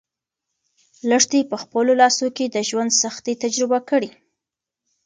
لښتې په خپلو لاسو کې د ژوند سختۍ تجربه کړې.